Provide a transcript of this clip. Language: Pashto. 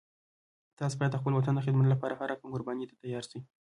تاسو باید د خپل وطن د خدمت لپاره هر رقم قربانی ته تیار شئ